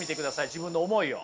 自分の思いを。